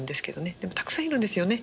でもたくさんいるんですよね。